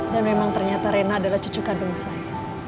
dan memang ternyata rina adalah cucu kandung saya